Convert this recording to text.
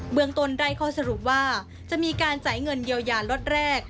เมืองต้นได้ข้อสรุปว่าจะมีการจ่ายเงินเยียวยาล็อตแรก